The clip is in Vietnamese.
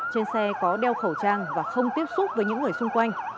trên xe có đeo khẩu trang và không tiếp xúc với những người xung quanh